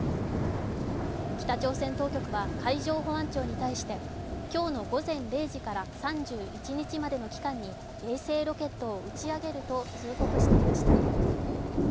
北朝鮮当局は海上保安庁に対して今日の午前０時から３１日までの期間に衛星ロケットを打ち上げると通告していました。